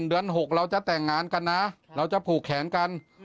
เดือน๖เราจะแต่งงานกันนะเราจะผูกแขนกัน